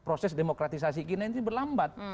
proses demokratisasi kini berlambat